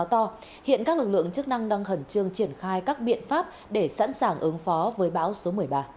gió to hiện các lực lượng chức năng đang hẳn trương triển khai các biện pháp để sẵn sàng ứng phó với bão số một mươi ba